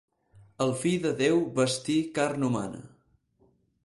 El fill de Déu vestí carn humana.